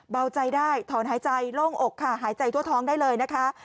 เบาใจได้ถอนหายใจโล่งอกค่ะหายใจทั่วท้องได้เลยนะคะ